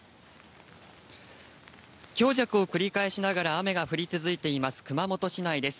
強弱を繰り返しながら雨が降り続いています、熊本市内です。